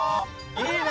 いいね！